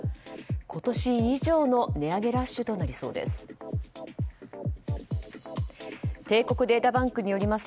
今年以上の値上げラッシュとなりそうです。